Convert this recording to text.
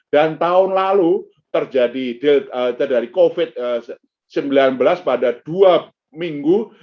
dan tahun lalu terjadi dari covid sembilan belas pada dua minggu